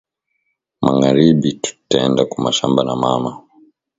Mangaribi tutenda ku mashamba na mama